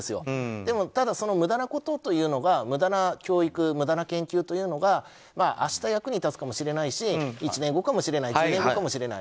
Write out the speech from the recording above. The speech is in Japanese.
でも、その無駄なことというのが無駄な教育無駄な研究というのが明日役に立つかもしれないし１年後かもしれない１０年後かもしれない。